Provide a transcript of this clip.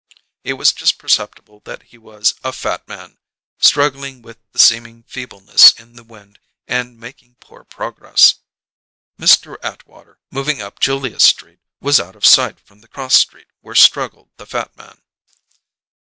It was just perceptible that he was a fat man, struggling with seeming feebleness in the wind and making poor progress. Mr. Atwater, moving up Julia's Street, was out of sight from the cross street where struggled the fat man.